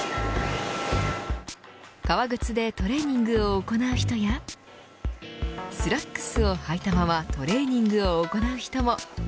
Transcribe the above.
革靴でトレーニングを行う人やスラックスをはいたままトレーニングを行う人も。